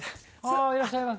あいらっしゃいませ。